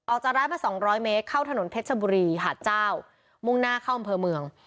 ออกจากร้านมาสองร้อยเมตรเข้าถนนเพชรชบุรีหาดเจ้ามุ่งหน้าเข้าอำเภอเมือง